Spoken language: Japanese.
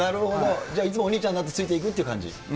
じゃあ、いつもお兄ちゃんのあと、ついていくって感じ？